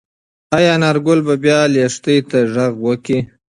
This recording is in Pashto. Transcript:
ايا انارګل به بیا لښتې ته غږ وکړي؟